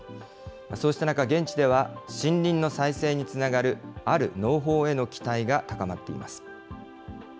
そうした中、現地では森林の再生につながる、ある農法への期待が高まっています。